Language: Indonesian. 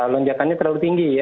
lontakannya terlalu tinggi ya